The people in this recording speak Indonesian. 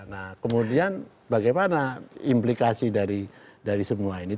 nah kemudian bagaimana implikasi dari semua ini